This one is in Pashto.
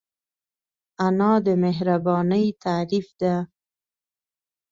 انا د مهربانۍ تعریف ده